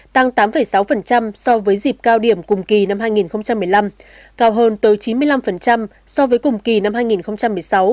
tăng tám sáu so với dịp cao điểm cùng kỳ năm hai nghìn một mươi năm cao hơn tới chín mươi năm so với cùng kỳ năm hai nghìn một mươi sáu